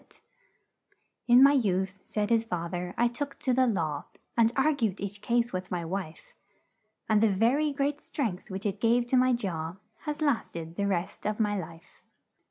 "'In my youth,' said his fath er, 'I took to the law And ar gued each case with my wife; And the ver y great strength, which it gave to my jaw, Has last ed the rest of my life.'